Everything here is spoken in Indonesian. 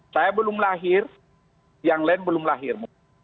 saya belum lahir yang lain belum lahir